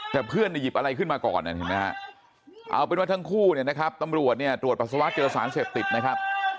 แต่เพื่อนเนี่ยหยิบอะไรขึ้นมาก่อนเห็นไหมฮะเอาเป็นว่าทั้งคู่เนี่ยนะครับตำรวจเนี่ยตรวจปัสสาวะเจอสารเสพติดนะครับ